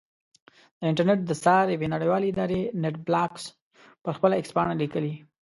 د انټرنېټ د څار یوې نړیوالې ادارې نېټ بلاکس پر خپل ایکس پاڼه لیکلي.